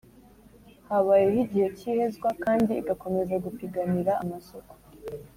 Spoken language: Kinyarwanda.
Habayeho igihe cy ihezwa kandi igakomeza gupiganira amasoko